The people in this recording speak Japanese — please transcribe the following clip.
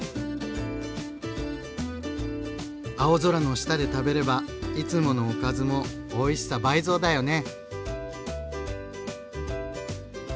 青空の下で食べればいつものおかずもおいしさ倍増だよね。